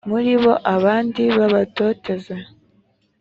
muri bo abandi babatoteze